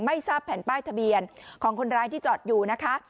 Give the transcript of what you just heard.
ไม่ทราบแผ่นป้ายทะเบียนของคนร้ายที่จอดอยู่นะคะ